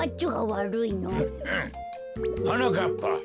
はなかっぱ。